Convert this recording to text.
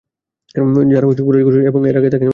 যারা কুরাইশ গোত্রের ছিল এবং এর আগে তাকে নেতা মানত।